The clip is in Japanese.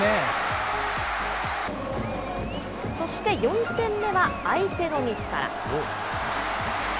そして４点目は、相手のミスから。